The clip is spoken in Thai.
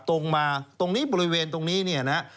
ตรงมาตรงนี้บริเวณตรงนี้เนี่ยนะฮะ